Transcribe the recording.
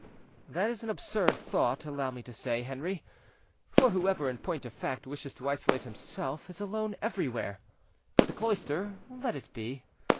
"That is an absurd thought, allow me to say, Henri; for whoever, in point of fact, wishes to isolate himself, is alone everywhere. But the cloister, let it be.